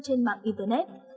trên mạng internet